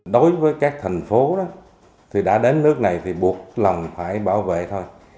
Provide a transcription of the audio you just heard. đối với các thành phố đó thì đã đến nước này thì buộc lòng phải bảo vệ thôi